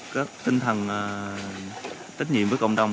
có tinh thần tích nhiệm với cộng đồng